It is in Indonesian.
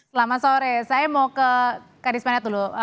selamat sore saya mau ke pak riz penet dulu